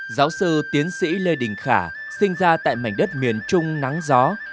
giáo sư tiến sĩ lê đình khả sinh ra tại mảnh đất miền trung nắng gió